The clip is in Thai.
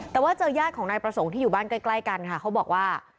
แต่ว่าเจอญาติของนายประสงค์ที่อยู่บ้านใกล้กันค่ะเขาบอกว่า